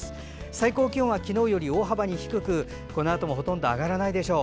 最高気温は昨日より大幅に低くこのあともほとんど上がらないでしょう。